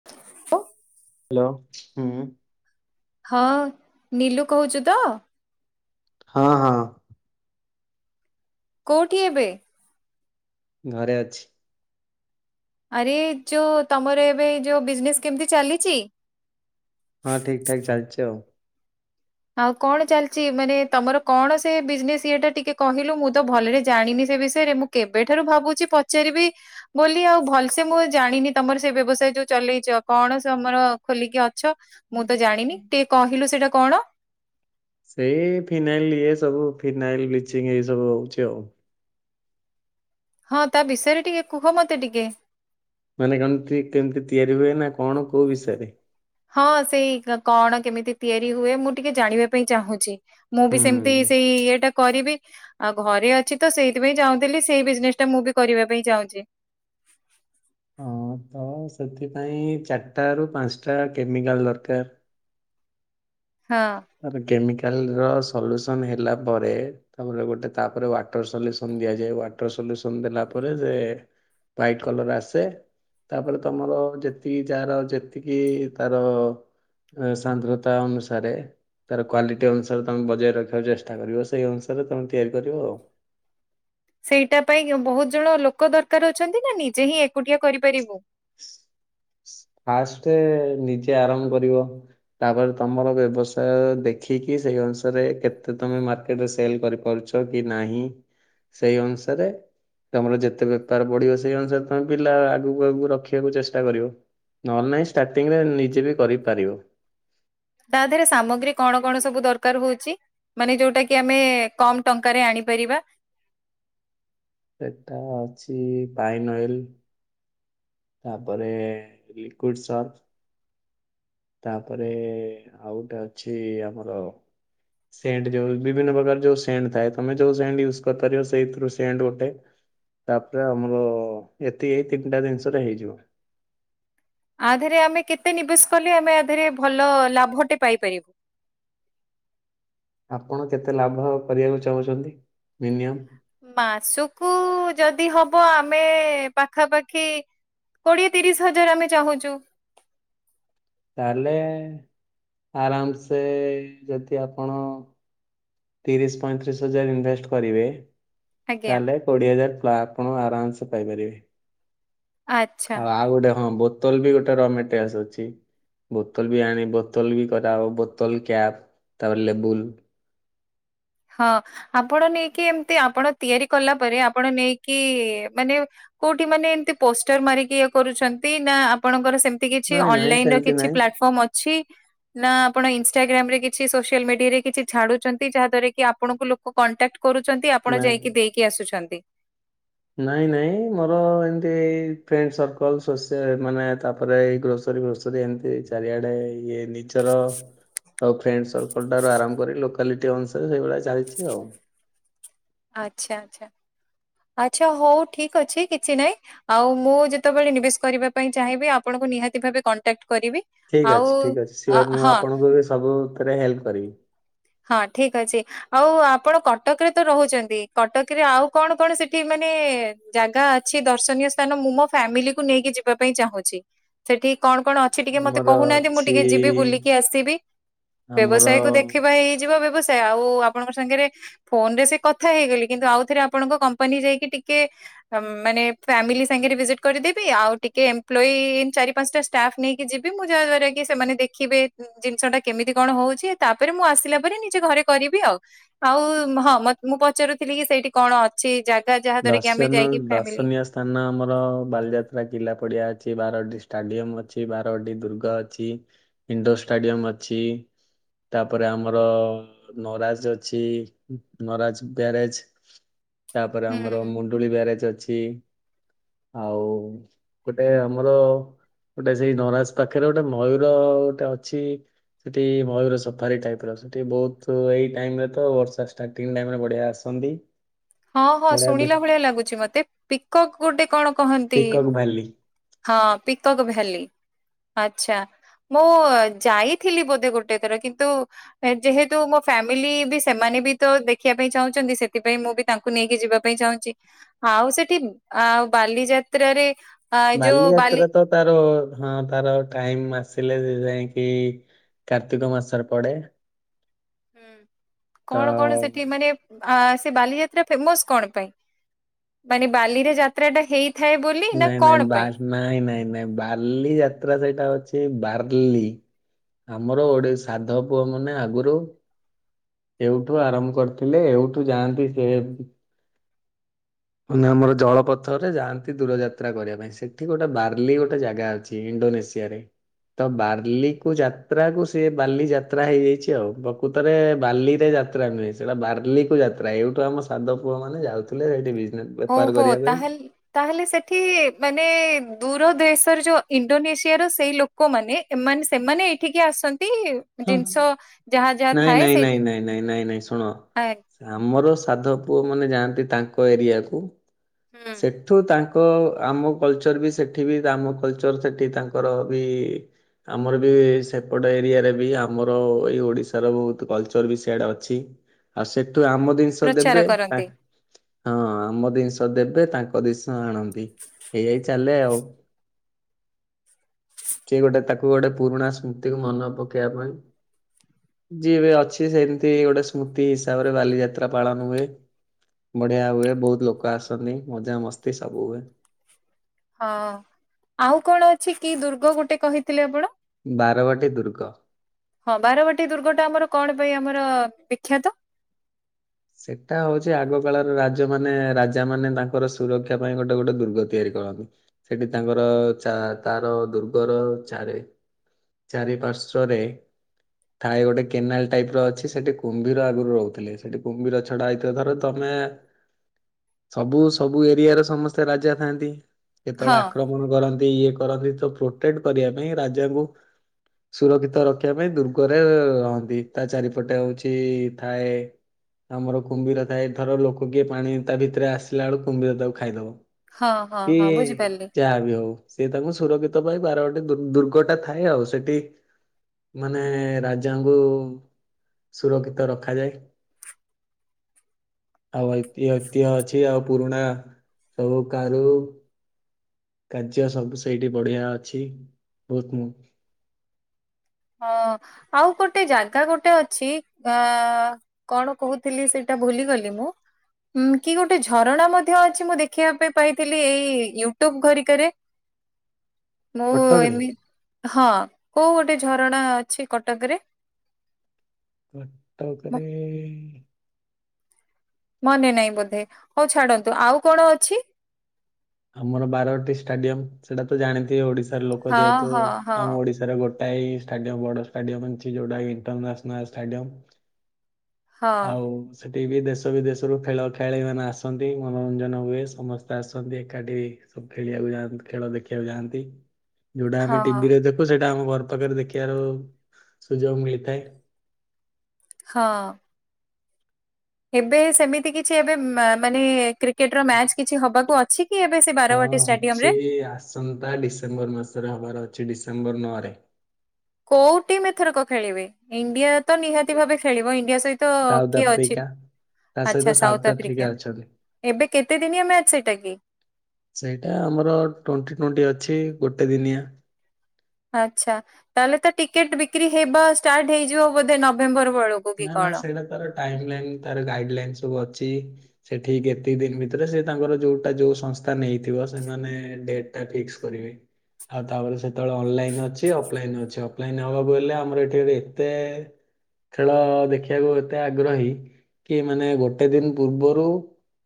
[unintelligible] Hello ହୁଁ ହଁ ନିଲୁ କହୁଚୁ ତ? ହଁ ହଁ। କୋଉଠି ଏବେ? ଘରେ ଅଛି। ଆରେ ଯୋଉ ତମର ଏବେ ଯୋଉ ବିଜନେସ୍ କେମିତି ଚାଲିଚି? ହଁ ଠିକ ଠାକ ଚାଲିଛି ଆଉ। ଆଉ କଣ ଚାଲିଚି ମାନେ ତମର କଣ ସେ ବିଜନେସ୍ ଇଏଟା ଟିକେ କହିଲୁ ମୁଁ ତ ଭଲରେ ଜାଣିନି ସେ ବିଷୟରେ ମୁଁ କେବେଠାରୁ ଭାବୁଛି ପଚାରିବି ବୋଲି ଆଉ ଭଲସେ ମୁଁ ଜାଣିନି ତମର ସେ ବ୍ୟବସାୟ ଯୋଉ ଚଲେଇଚ କଣ ସେ ତମର ଖୋଲିକି ଛ ମୁଁ ତ ଜାଣିନି ଟିକେ କହିଲୁ ସେଇଟା କଣ? ସେଇ ଫିନାଇଲ ଇଏ ସବୁ, ଫିନାଇଲ ବ୍ଲିଚିଂ ଏଇ ସବୁ ହଉଛି ଆଉ। ହଁ ତା ବିଷୟରେ ଟିକେ କୁହ ମତେ ଟିକେ। ମାନେ କଣ ଠ କେମିତି ତିଆରି ହୁଏ ନା କଣ କୋଉ ବିଷୟରେ? ହଁ ସେଇ କଣ କେମିତି ତିଆରି ହୁଏ, ମୁଁ ଟିକେ ଜାଣିବା ପାଇଁ ଚାହୁଁଛି। ମୁଁ ବି ହୁଁ। ସେମିତି ସେଇ ଇଏଟା କରିବି ଆଉ ଘରେ ଅଛି ତ ସେଇଥିପାଇଁ ଚାହୁଁଥିଲି ସେଇ ବିଜନେସ ଟା ମୁଁ ବି କରିବା ପାଇଁ ଚାହୁଁଛି। ହଁ ତ ସେଥିପାଇଁ ଚାରିଟା ରୁ, ପାଞ୍ଚଟା କେମିକାଲ ଦରକାର। ହଁ। ଆର କେମିକାଲ ର ସଲୁସନ ହେଲା ପରେ ତାପରେ ଗୋଟେ ତାପରେ ୱାଟର ସଲୁସନ ଦିଆଯାଏ। ୱାଟର ସଲୁସନ ଦେଲା ପରେ ଯେ ହ୍ଵାଇଟ୍ କଲର ଆସେ। ତାପରେ ତମର ଯେତିକି ଯାହାର ଯେତିକି ତାର ଏ ସାନ୍ଦ୍ରତା ଅନୁସାରେ ତାର କ୍ଵାଲିଟି ଅନୁସାରେ ତମେ ବଜାୟ ରଖିବାକୁ ଚେଷ୍ଟା କରିବ। ସେଇ ଅନୁସାରେ ତମେ ତିଆରି କରିବ ଆଉ। ସେଇଟା ପାଇଁ ବହୁତ ଜଣ ଲୋକ ଦରକାର ଅଛନ୍ତି ନା ନିଯେ ହିଁ ଏକୁଟିଆ କରିପାରିବୁ? ଫାଷ୍ଟେ ନିଜେ ଆରମ୍ଭ କରିବ। ତାପରେ ତମର ବ୍ୟବସାୟ ଦେଖିକି ସେଇ ଅନୁସାରେ କେତେ ତମେ ମାର୍କେଟରେ ସେଲ କରିପାରୁଛ? କି ନାହିଁ ସେଇ ଅନୁସାରେ ତମର ଯେତେ ବେପାର ବଢିବ ସେଇ ଅନୁସାରେ ତମେ ପିଲା ଆଗକୁ ଆଗକୁ ରଖିବାକୁ ଚେଷ୍ଟା କରିବ। ନହେଲେ ନାହିଁ ଷ୍ଟାର୍ଟିଂରେ ନିଜେ ବି କରିପାରିବ। ତାଧିରେ ସାମଗ୍ରୀ କଣ କଣ ସବୁ ଦରକାର ହଉଚି? ମାନେ ଯୋଉଟା କି ଆମେ କମ ଟଙ୍କାରେ ଆଣିପାରିବା? ଏଟା ଅଛି ପାଇନଅଏଲ। ତାପରେ ଲିକୁଇଡ଼ ସର୍ପ। ତାପରେ ଆଉ ଗୋଟେ ଅଛି ଆମର ସେଣ୍ଟ ଯୋଉ ବିଭିନ୍ନ ପ୍ରକାର ଯୋଉ ସେଣ୍ଟ ଥାଏ ତମେ ଯୋଉ ସେଣ୍ଟ ୟୁଜ କରିପାରିବ ସେଇଥିରୁ ସେଣ୍ଟ ଗୋଟେ। ତାପରେ ଆମର ଏତିକି ଏଇ ତିନିଟା ଜିନିଷରେ ହେଇଯିବ। ୟାଧିରେ ଆମେ କେତେ ନିବେଶ କଲେ ଆମେ ଆଧିରେ ଭଲ ଲାଭଟେ ପାଇପାରିବୁ? ଆପଣ କେତେ ଲାଭ କରିବାକୁ ଚାହୁଁଚନ୍ତି ମିନିମମ? ମାସକୁ ଯଦି ହବ ଆମେ ପାଖାପାଖି କୋଡ଼ିଏ ତିରିଶ ହଜାର ଆମେ ଚାହୁଁଚୁ। ତାହେଲେ ଆରାମ ସେ ଯଦି ଆପଣ ତିରିଶ ପଇଁତିରିଶ ହଜାର ଇନଭେଷ୍ଟ କରିବେ ଆଜ୍ଞା ତାହେଲେ କୋଡିଏ ହଜାର ଆପଣ ଆରାମସେ ପାଇପାରିବେ। ଆଚ୍ଛା ଆଉ ଆଉ ଗୋଟେ ହଁ ବୋତଲ ବି ଗୋଟେ ରାମ୍ୟାଟେରିଆଲସ ଅଛି। ବୋତଲ ବି ଆଣୀ ବୋତଲ ବି କରା ହବ ବୋତଲ କ୍ୟାପ୍ ତାପରେ ଲେବୁଲ। ହଁ ଆପଣ ନେଇକି ଏମତି, ଆପଣ ତିଆରି କଲା ପରେ ଆପଣ ନେଇକି ମାନେ କୋଉଠି ମାନେ ଏମତି ପୋଷ୍ଟର ମାରିକି ଇଏ କରୁଚନ୍ତି ନା ଆପଣଙ୍କର ସେମିତି କିଛି ନାଇଁ ନାଇଁ ଅନଲାଇନ ର ସେମିତି କିଛି ନାଇଁ ପ୍ଲାଟଫର୍ମ ଅଛି ଅଛି ନା ଆପଣ ଇନଷ୍ଟାଗ୍ରାମ ରେ କିଛି ସୋସିଆଲ ମିଡିଆରେ କିଛି ଛାଡୁଚନ୍ତି ଯାହା ଦ୍ଵାରା କି କି ଆପଣଙ୍କୁ ଲୋକ କଣ୍ଟାକ୍ଟ କରୁଛନ୍ତି, ଆପଣ ନାଇଁ ଯାଇକି ଦେଇକି ଆସୁଛନ୍ତି? ନାଇଁ ନାଇଁ ମୋର ଏମତି ଏଇ ଫ୍ରେଣ୍ଡ ସର୍କଲ ଶୋଷି ମାନେ ତାପରେ ଏଇ ଗ୍ରୋ ସେରୀ ଫୋସେରି ଏମିତି ଚାରିଆଡେ ଇଏ ନିଜର ଅ ଫ୍ରେଣ୍ଡ ସର୍କଲ ଟାରୁ ଆରମ୍ଭ କରି ଲୋକାଲିଟି ଅନୁସାରେ ସେଇଭଳିଆ ଚାଲିଛି ଆଉ। ଆଚ୍ଛା ଆଚ୍ଛା। ଆଚ୍ଛା ହଉ ଠିକ ଅଛି କିଛି ନାହିଁ। ଆଉ ମୁଁ ଯେତେବେଳେ ନିବେଶ କରିବା ପାଇଁ ଚାହିଁବି ଆପଣଙ୍କୁ ନିହାତି ଭାବେ କଣ୍ଟାକ୍ଟ କରିବି। ଠିକ୍ ଆଉ ଅଛି ଠିକ୍ ଅଛି ଅ ସିଓର ମୁଁ ହଁ ଆପଣଙ୍କୁ ବି ସବୁଥିରେ ହେଲ୍ପ କରିବି। ହଁ ଠିକ ଅଛି ଆଉ ଆପଣ କଟକରେ ତ ରହୁଚନ୍ତି, କଟକରେ ଆଉ କଣ କଣ ସେଠି ମାନେ ଜାଗା ଅଛି ଦର୍ଶନୀୟ ସ୍ଥାନ ମୁଁ ମୋ ଫ୍ୟାମିଲିକୁ ନେଇକି ଯିବା ପାଇଁ ଚାହୁଁଚି? ସେଠି କଣ କଣ ଅ ଛି ଟିକେ ମତେ ଆମର କହୁନାହାନ୍ତି ମୁଁ ଅଛି ଟିକେ ଯିବି ବୁଲିକି ଆସିବି। ବ୍ୟବସାୟ କୁ ଆମର ଦେଖିବା ହେଇଯିବା ବ୍ୟବସ ଯାଏ। ଆଉ ଆପଣଙ୍କ ସାଙ୍ଗରେ ଫୋନ ରେ ସେ କଥା ହେଇଗଲି କିନ୍ତୁ ଆଉ ଥରେ ଆପଣଙ୍କ କମ କମ୍ପାନୀ ଯାଇକି ଟିକେ ଅ ମାନେ ଫ୍ୟାମିଲି ସାଙ୍ଗରେ ଭିଜିଟ କରିଦେବି ଆଉ ଟିକେ ଏମ୍ପଲୋୟୀ ଚାରି ପାଞ୍ଚଟା ଷ୍ଟାଫ୍ ନେଇକି ଯିବି ମୁଁ ଯାହା ଦ୍ଵାରା କି ସେମାନେ ଦେଖିବେ ଜିନିଷ ଟା କେମିତି କଣ ହଉଚି ତାପରେ ମୁଁ ଆସିଲା ପରେ ନିଜେ ଘରେ କରିବି ଆଉ। ଆଉ ହଁ ମୁଁ ପଚାରୁଥିଲି କି ସେଇଠି କଣ ଅଛି ଜାଗା ଯାହା ଦ୍ୱାରା କି ଆମେ ଦର୍ଶନ ଯାଇକି ଫାମିଲି ଦର୍ଶନୀୟ ସ୍ଥାନ ଆମର ବାଲିଯାତ୍ରା କିଲା ପଡ଼ିଆ ଅଛି ବାରବାଟୀ ଷ୍ଟାଡିୟମ ଅଛି ବାରବାଟି ଦୁର୍ଗ ଅଛି। ଇଣ୍ଡୋର ଷ୍ଟାଡିୟମ ଅଛି। ତାପରେ ଆମର ଅ--ନରାଜ ଅଛି ନରାଜ ବ୍ୟାରେଜ। ତାପରେ ଆମର ହୁଁ ମୁଣ୍ଡୁଳି ବ୍ୟାରେଜ ଅଛି ଆଉ ଗୋଟେ ଆମର ଗୋଟେ ସେଇ ନରାଜ ପାଖରେ ଗୋଟେ ମୟୂର ଗୋଟେ ଅଛି ସେଠି ମୟୂର ସଫାରି ଟାଇପର ସେଠି ବହୁତ ଏଇ ଟାଇମରେ ତ ବର୍ଷା ଷ୍ଟାର୍ଟିଂ ଟାଇମରେ ବଢ଼ିଆ ଆସନ୍ତି। ହଁ ହଁ ବଢିଆ ପି- ଶୁଣିଲା ଭଳିଆ ଲାଗୁଛି ମତେ ପିକକ୍ ଗୋଟେ କଣ କହନ୍ତି? ପିକକ୍ ଭ୍ୟାଲି ହଁ ପିକକ ଭ୍ୟାଲି, ଆଚ୍ଛା। ମୁଁ ଯାଇଥିଲି ବୋଧେ ଗୋଟେ ଥର। କିନ୍ତୁ ଯେହେତୁ ମୋ ଫ୍ୟାମିଲି ବି ସେମାନେ ବି ତ ଦେଖିବା ପାଇଁ ଚାହୁଁଛନ୍ତି ସେଥିପାଇଁ ମୁଁ ବି ତାଙ୍କୁ ନେଇକି ଯିବା ପାଇଁ ଚାହୁଁଛି ଆଉ ସେଠି ଆଉ ବାଲିଯାତ୍ରାରେ ଆ ଏ ଯୋଉ ବାଲି ବାଲିଯାତ୍ରା ତ ତାର ହଁ ତାର ଟାଇମ ଆସିଲେ ଯାଇକି କାର୍ତ୍ତିକ ମାସରେ ପଡେ। ହୁଁ ତ କଣ କଣ ସେଠି ମାନେ ଆ ସେ ବାଲିଯାତ୍ରା ଫେମସ କଣ ପାଇଁ ମାନେ ବାଲିରେ ଯାତ୍ରାଟା ହେଇ ନାଇଁ ନାଇଁ ନାଇଁ ନାଇଁ ନାଇଁ ବାର୍ଲି ଯାତ୍ରା ସେଇଟା ଅଛି ବାର୍ଲି ଆମର ଓଡି ସାଧ ପୁଅ ମାନେ ଆଗରୁ ଏଉଠୁ ଆରମ୍ଭ କରିଥିଲେ ଏଉଠୁ ଯାଆନ୍ତି ସେ ମ ଆମର ଜଳପଥରରେ ଯାଆନ୍ତି ଦୂରଯାତ୍ରା କରିବା ପାଇଁ ସେଠି ଗୋଟେ ବାର୍ଲି ଗୋଟେ ଜାଗା ଅଛି ଇଣ୍ଡୋନେସିଆରେ ତ ବାର୍ଲିକୁ ଯାତ୍ରା କୁ ସେ ବାଲି ଯାତ୍ରା ହେଇଯାଇଛି ଆଉ ପ୍ରକୃତରେ ବାଲିରେ ଯାତ୍ରା ଯାତ୍ରା ନୁହେଁ ସେଇଟ ବାର୍ଲିକୁ ଯାତ୍ରା ଏଇଠୁ ଆମ ସାଧବପୁଅମାନେ ଯାଉଥିଲେ। ସେଇଠି ବିଜନେସ୍ ବେପାର ଓହୋ କରିବା ପାଇଁ ତାହେଲେ ତାହେଲେ ସେଠି ମାନେ ଦୂରଦେଶର ଯୋଉ ଇଣ୍ଡୋନେସିଆର ସେଇ ଲୋକ ଲୋକମାନେ ଏମାନେ ସେମାନେ ଏଇଠିକି ଆସନ୍ତି ଜିନିଷ ଯାହା ଯାହା ନାଇଁ ଥାଏ ନାଇଁ ସେଇଠି ନାଇଁ ନାଇଁ ନାଇଁ ନାଇଁ ଶୁଣ। ଆ ଆମର ସାଧ ପୁଅମାନେ ଯାଆନ୍ତି ତାଙ୍କ ଏରିଆକୁ। ହୁଁ। ସେଠୁ ତାଙ୍କ ତ ଆମ କଲଚର ବି ସେଠି ବି ଆମ କଲଚର ସେଠି ତାଙ୍କର ବି ଆମର ବି ସେପଟ ଏରିଆରେ ଆମର ଏଇ ଓଡିଶାର ବହୁତ କଲଚର ବି ସେଆଡେ ଅଛି ଆଉ ସେଠୁ ଆମ ଜିନ ଷ ପ୍ରଚାର ଦେବେ କରନ୍ତି ହଁ ଆମ ଜିନିଷ ଦେବେ ତାଙ୍କ ଜିନିଷ ଆଣନ୍ତି ଏଇଆଇ ଚାଲେ ଆଉ। ସେଏ ଗୋଟେ ତାକୁ ଗୋଟେ ପୁରୁଣା ସ୍ମୃତିକୁ ମନେ ପକେଇବା ପାଇଁ। ଯିଏବେ ଅଛି ସେମିତି ଗୋଟେ ସ୍ମୃତି ହିସାବରେ ବାଲିଯାତ୍ରା ପାଳନ ହୁଏ। ବଢିଆ ହୁଏ, ବହୁତ ଲୋକ ଆସନ୍ତି। ମଜାମସ୍ତି ସବୁ ହୁଏ। ହଁ ଆଉ କଣ ଅଛି କି ଦୁର୍ଗ ଗୋଟେ କହିଥିଲେ ଆପଣ? ବାରବାଟୀ ଦୁର୍ଗ। ହଁ ବାରବାଟୀ ଦୁର୍ଗଟା ଆମର କଣ ପାଇଁ ଆମର ବିଖ୍ୟାତ? ସେଟା ହଉଛି ଆଗ କାଳର ରାଜ ମାନେ ରାଜା ମାନେ ତାଙ୍କର ସୁରକ୍ଷା ପାଇଁ ଗୋଟେ ଗୋଟେ ଦୁର୍ଗ ତିଆରି କରନ୍ତି। ସେଠି ତାଙ୍କର ତାର ଦୁର୍ଗର ଚାରେ ଚାରିପାର୍ଶ୍ଵରେ ଥାଏ ଗୋଟେ କେନାଲ ଟାଇପର ଅଛି ସେଠି କୁମ୍ଭୀର ଆଗରୁ ରହୁଥିଲେ। ସେଠି କୁମ୍ଭୀର ଛଡା ହେଇଥିବା ଥର ତମେ ହ ସବୁ ସବୁ ଏରିଆର ସମସ୍ତେ ରାଜା ଥାଆନ୍ତି। ହଁ କେତେବେଳେ ଆକ୍ରମଣ କରନ୍ତି ଇଏ କରନ୍ତି ତ ପ୍ରୋଟେକ୍ଟ କରିବା ପାଇଁ ରାଜାଙ୍କୁ ସୁରକ୍ଷିତ ରଖିବା ପାଇଁ ଦୁର୍ଗରେ ରହନ୍ତି ତା ଚାରିପଟେ ହଉଛି ଥାଏ ଆମର କୁମ୍ଭୀର ଥାଏ ଧର ଲୋକ କିଏ ପାଣି ତା ଭିତରେ ଆସିଲାବେଳକୁ କୁମ୍ଭୀର ତାକୁ ଖାଇଦବ। ହଁ ହଁ ହଁ କିଏ ବୁଝିପାରିଲି ଯା ବି ହଉ। ସେ ତାକୁ ସୁରକ୍ଷିତ ପାଇଁ ବାରବାଟି ଦୁ ଦୁର୍ଗଟା ଥାଏ ଆଉ। ସେଟି ମାନେ ରାଜାଙ୍କୁ ସୁରକ୍ଷିତ ରଖାଯାଏ। ଆଉ ଐତି ଐତିହ୍ୟ ଅଛି ଆଉ ପୁରୁଣା ସବୁ କାରୁ କାର୍ଯ୍ୟ ସବୁ ସେଇଠି ବଢିଆ ଅଛି। ବହୁତ ମୁଁ ହଁ ଆଉ ଗୋଟେ ଜାଗା ଗୋଟେ ଅଛି ଅ କଣ କହୁଥିଲି ସେଟା ଭୁଲିଗଲି ମୁଁ। ଉଁ କି ଗୋଟେ ଝରଣା ମଧ୍ୟ ଅଛି ମୁଁ ଦେଖିବା ପାଇଁ ପାଇଥିଲି ଏଇ ୟୁଟ୍ୟୁବ ଘରିକାରେ। ମୁଁ କଟକରେ ଏମି ହଁ କୋଉ ଗୋଟେ ଝରଣା ଅଛି କଟକରେ? ମ- କଟକରେ ମନେ ନାଇଁ ବୋଧେ ହଉ ଛାଡନ୍ତୁ ଆଉ କଣ ଅଛି? ଆମର ବାରବାଟି ଷ୍ଟାଡିୟମ ସେଟା ତ ଜାଣିଥିବେ ଓଡିଶାର ଲୋକ ହଁ ଯେହେତୁ ହଁ ହଁ ଆମ ଓଡିଶାର ଗୋ ଟାଇ ଷ୍ଟାଡିୟମ ବଡ ଷ୍ଟାଡିୟମ ଅଛି ଯୋଉଟା ଇଣ୍ଟରନ୍ୟାସନାଲ ଷ୍ଟାଡିୟମ। ହଁ ହାଉ ସେଠି ବି ଦେଶ ବିଦେଶରୁ ଖେଳ ଖେଳାଳି ମାନେ ଆସନ୍ତି ମନୋରଞ୍ଜନ ହୁଏ ସମସ୍ତେ ଆସନ୍ତି। ଏଖାଠି ସବୁ ଖେଳିବାକୁ ଯାଆନ୍ତି ଖେଳ ଦେଖିବାକୁ ଯାଆନ୍ତି ଯୋଉଟା ଆମେ ହଁ। ଟିଭିରେ ଦେ ସେଇଟା ଆମ ଘର ପାଖରେ ଦେଖିବାର ସୁଯୋଗ ମିଳିଥାଏ। ହଁ। ଏବେ ସେମିତି କିଛି ଏବେ ମା-ମାନେ କ୍ରି କିଟ୍ ର ମ୍ୟାଚ କିଛି ହବାକୁ ଅଛି କି ଏବେ ସେ ହଁ ବାରବାଟୀ ଷ୍ଟାଡିୟମ ଅଛି ରେ? ଆସନ୍ତା ଡିସେମ୍ବର ମାସରେ ହବାର ଅଛି ଡିସେମ୍ବର ନଅ ରେ। କୋଉ ଟିମ୍ ଏଥରକ ଖେଳିବେ ଇଣ୍ଡିଆ ତ ନିହାତି ଭାବେ ଖେଳିବ ଇଣ୍ଡିଆ ସହିତ ସାଉଥ କିଏ ଅଛି? ଆଫ୍ରିକା ତା ସହିତ ଆଚ୍ଛା ସାଉଥ ଆଫ୍ରିକା ଅଛନ୍ତି। ଏବେ କେତେ ଦିନିଆ ମ୍ୟାଚ ସେଇଟା କି? ସେଇଟା ଆମର ଟ୍ୱଣ୍ଟି ଟ୍ୱଣ୍ଟି ଅଛି ଗୋଟେ ଦିନିଆ। ଆଚ୍ଛା ତାହେଲେ ତ ଟିକେଟ ବିକ୍ରି ହେବା ଷ୍ଟାର୍ଟ ହେଇଯିବ ବୋଧେ ନଭେମ୍ବର ବେଳ ନା ନା ସେଇଟା ତାର ଟାଇମ ଲାଇନ ତାର ଗାଇଡ ଲାଇନ ସବୁ ଅଛି। ସେଠି କେତେ ଦିନ ଭିତରେ ସେ ତାଙ୍କର ଯୋଉଟା ଯୋଉ ସଂସ୍ଥା ନେଇଥିବ ସେମାନେ ଡେଟ ଫିକ୍ସ କରିବେ। ଆଉ ତାପରେ ସେତବେଳେ ଅନଲାଇନ ଅଛି ଅଫଲାଇନ ଅଛି ଅଫଲାଇନ ନବାକୁ ହେଲେ ଆମର ଏଠି ଏତେ ଖେଳ ଦେଖିବାକୁ ଏତେ ଆଗ୍ରହୀ କି ମାନେ ଗୋଟେ ଦିନ ପୂର୍ବରୁ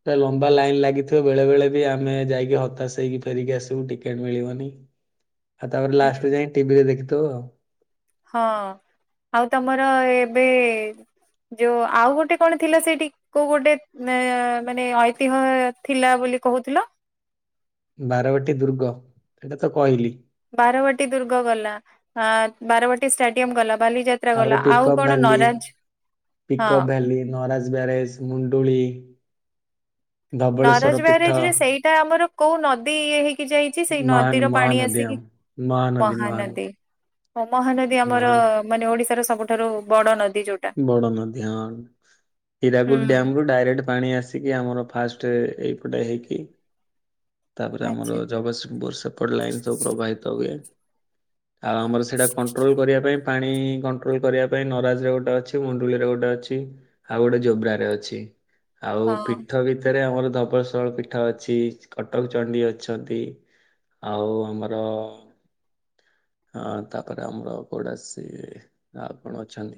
ଟେ ଲମ୍ବା ଲାଇନ ଲାଗିଥିବ ବେଳେ ବେଳେ ବି ଆମେ ଯାଇକି ହତାଶ ହେଇକି ଫେରିକି ଆସିବୁ ଟିକେଟ ମିଳିବନି। ଆଉ ତାପରେ ହୁଁ। ଲାଷ୍ଟକୁ ଯାଇ ଟିଭି ରେ ଦେଖିଦଉ ଆଉ। ହଁ ଆଉ ତମର ଏବେ ଯୋଉ ଆଉ ଗୋଟେ କଣ ଥିଲା ସେଇଠି? କୋଉ ଗୋଟେ ଏ ମାନେ ଐତିହ୍ୟ ଥିଲା ବୋଲି କହୁଥିଲ? ବାରବାଟୀ ଦୁର୍ଗ ଏଇଟା ତ କହିଲି। ବାରବାଟୀ ଦୁର୍ଗ ଗଲା ଆ ବାରବାଟୀ ଷ୍ଟାଡିୟମ ଗଲା ବାଲିଯା ତ୍ରା ତାପରେ ଗଲା ଆଉ ପିକଅପ୍ କଣ ଭ୍ୟାଲି ନରାଜ ହଁ। ପିକଅପ୍ ଭ୍ୟାଲି ନରାଜ ବ୍ୟାରେଜ ମୁଣ୍ଡୁଳି। ଧବଳେଶ୍ଵର ନରାଜ ପୀଠ ବ୍ୟାରେଜ ରେ ସେଇଟା ଆମର କୋଉ ନଦୀ ଇଏ ହେଇକି ଯାଇଚି? ସେଇ ମହାନ ନଦୀର ପାଣି ମହାନଦୀ ଆମ ଆସିକି ମହାନଦୀ ମହାନଦୀ। [unintelligible] ଆମର ମହାନ ମାନେ ଓଡିଶାର ସବୁଠାରୁ ବଡ ନଦୀ ଯୋଉ ବଡ ନଦୀ ହଁ ହିରାକୁଦ ହୁଁ ଡ୍ୟାମ ରୁ ଡାଇରେକ୍ଟ ପାଣି ଆସି ଏତିକି ଆମର ଫାଷ୍ଟ ଏଇପଟେ ହେଇକି ତାପରେ ଆମର ଆଚ୍ଛା ଜଗତସିଂପୁର ସେ ପଟ୍ ଲାଇନ୍ ସବୁ ପ୍ରବାହିତ ହୁଏ। ଆଉ ଆମର ସେଇଟା କଣ୍ଟ୍ରୋଲ କରିବା ପାଇଁ ପାଣି କଣ୍ଟ୍ରୋଲ କରିବା ପାଇଁ ନରାଜରେ ଗୋଟେ ଅ ଛି ମୁଣ୍ଡୁଳିରେ ଗୋଟେ ଅଛି। ଆଉ ଗୋଟେ ଜୋବ୍ରାରେ ଅଛି। ଆଉ ହଁ ପିଠ ବି ଏଠାରେ ଆମର ଧବଳଶଳ ପିଠ ଅଛି। କଟକ ଚଣ୍ଡୀ ଅଛନ୍ତି। ଆଉ ଆମର ହଁ, ତା'ପରେ ଆମର କଉଡ଼ା ସେ, ଆଉ କଣ ଅଛନ୍?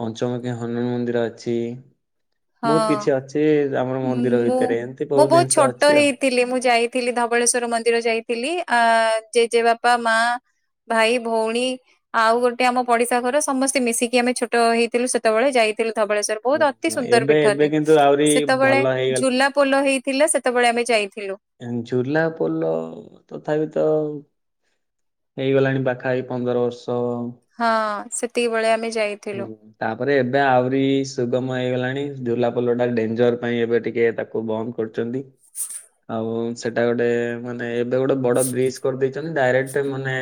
ପଞ୍ଚମୁଖୀ ହନୁମାନ ମନ୍ଦିର ଅଛି। ବହୁତ ହଁ କିଛି ଅଛି। ସିଏ ଆମର ମୁଁ ମନ୍ଦିର ଭିତରେ, ଏମତି ବହୁତ ଦିନିଷ ଅଛି ଆଉ। ଥିଲି ମୁଁ ଯାଇଥିଲି ଧବଳେଶ୍ଵର ମନ୍ଦିର ଯାଇଥିଲି। ଆ ଜେଜେ ବାପା, ମାଁ ଭାଇ, ଭଉଣୀ ଆଉ, ଗୋଟେ ଆମ ପଡିଶା ଘର ସମସ୍ତେ ମିଶିକି ଆମେ ଛୋଟ ହେଇଥିଲୁ, ସେତେବେଳେ ଯାଇଥିଲୁ ଧବଳେଶ୍ୱର। ହଁ ବହୁତ୍ ଅତି ହଁ, ସୁନ୍ଦର ଏବେ ପୀଠ ଏବେ ଟେ! କିନ୍ତୁ ଆହୁରି ବେଳେ ଭଲ ହେଇଗଲା ଝୁଲାପୋଲ ହେଇଥିଲା, ସେତେବେଳେ ଆମେ ଯାଇଥିଲୁ। ଝୁଲାପୋଲ ତଥାପି ତ ହେଇଗଲାଣି, ପାଖା ପାଖି ପନ୍ଦର ବର୍ଷ ହଁ ସେତିକିିବଳେ ଆମେ ଯାଇଥିଲୁ ହୁଁ। ତା'ପରେ ଏବେ ଆହୁରି ସୁଗମ ହେଇଗଲାଣି। ଝୁଲାପୋଲଟା ଡେଞ୍ଜର ପାଇଁ ଏବେ ଟିକେ ତାକୁ ବନ୍ଦ କରୁଛନ୍ତି। [unintelligible] ଓ ସେଟା ଗୋଟେ ମାନେ, ଏବେ ଗୋଟେ ବଡ ବ୍ରିଜ୍ କରିଦେଇଛନ୍ତି। ଡାଇରେକ୍ଟ ମାନେ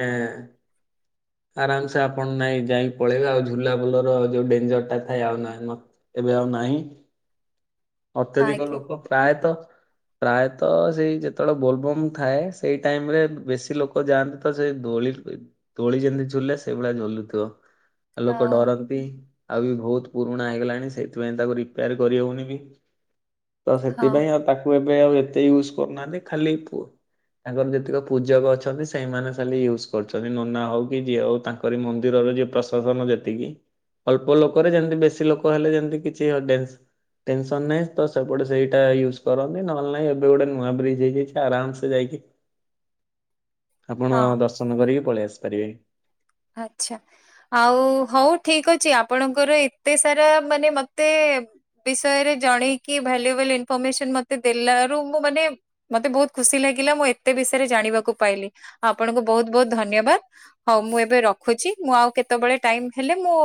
ଆରାମସେ ଆପଣ ନାଇଁ ଯାଇଁକି ପଳେଇବେ। ଆଉ ଝୁ ଝୁଲା ପୁଲର ଯୋଉ ଡେଞ୍ଜର ଟା ଥାଏ ଆଉ ନ ନାହିଁ, ଏବେ ଆଉ ନାହିଁ। ଅତ୍ୟଧିକ ଆଜ୍ଞା ଲୋକ ପ୍ରାୟତଃ ପ୍ରାୟତଃ, ସେଇ ଯେତେବେଳେ ବୋଲବମ୍ ଥାଏ। ସେଇ ଟାଇମ୍ ରେ ବେଶୀ ଲୋକ ଲୋକ ଯାଆନ୍ତି ତ, ସେ ଦୋଳି ଦୋଳି ଯେମିତି ଝୁଲେ ସେଇ ଭଳିଆ ଝୁଲୁଥିବ। ଆଉ ଲୋକ ହଁ ଡରନ୍। ନ୍ତି। ଆଉ, ବି ବହୁତ ପୁରୁଣା ହେଇଗଲାଣି। ସେଥିପାଇଁ ତାକୁ ରିପେୟାର କରିହଉନି ବି। ତ ହଁ ସେଥିପାଇଁ ଆଉ, ତାକୁ ଏବେ ଆଉ ଏତେ ୟୁଜ କରୁନାହାନ୍ତି। ଖାଲି ପୁ ତାଙ୍କର ଯେତିକ ପୂଜକ ଅଛନ୍ତି ସେଇମାନେ ଖାଲି ୟୁଜ୍ କରୁଛନ୍ତି। ନନା ହଉ କି ଯିଏ ହଉ ତାଙ୍କ କରି ମନ୍ଦିରର ଯିଏ ପ୍ରଶ ଶାସନ ଯେତିକି, ଅଳ୍ପ ଲୋକରେ ଯେମିତି ବେଶୀ ଲୋକ ହେଲେ ଯେମତି, କିଛି ଡେନ୍ସ ଟେନ୍ ସନ ନାହିଁ ତ, ସେପଟେ ସେଇଟା ୟୁଜ କରନ୍ତି। ନହେଲେ ନାହିଁ, ଏବେ ଗୋଟେ ନୂଆ ବ୍ରିଜ୍ ହେଇଯାଇଛି ଆରାମ ସେ ଯାଇକି [inaudible] ଆପଣ, ହଁ ଦର୍ଶନ କରିକି ପଳେଇ ଆସି ପାରିବେ। ଆଛା। ଆଉ, ହଉ ଠିକ୍ ଅଛି। ଆପଣଙ୍କର ଏତେ ସାରା ମାନେ ମତେ-ଏ ବିଷୟରେ ଜଣେଇକି, ଭ୍ୟାଲୁଏବୁଲ୍ ଇନ୍ଫରମେସନ୍ ମତେ ଦେଲାରୁ, ମୁଁ ମାନେ ମତେ ବହୁତ ଖୁସି ଲାଗିଲା। ମୁଁ ଏତେ ବିଷୟରେ ଜାଣିବାକୁ ପାଇଲି? ଆପଣଙ୍କୁ ବହୁତ୍ ବହୁତ୍ ଧନ୍ୟବାଦ। ହଉ, ମୁଁ ଏବେ ରଖୁଛି। ମୁଁ ଆଉ କେତେବେଳେ ଟାଇମ୍ ହେଲେ ମୁଁ